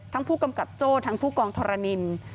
ผู้กำกับโจ้ทั้งผู้กองทรนิน